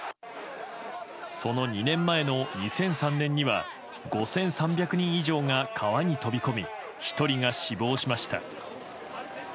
その２年前の２００３年には５３００人以上が川に飛び込み１人が死亡しました。